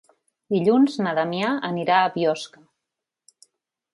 Dilluns na Damià anirà a Biosca.